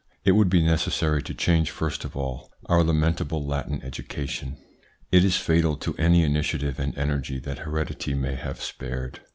It would be necessary to change first of all our lamentable Latin education. It is fatal to any initiative and energy that heredity may have spared.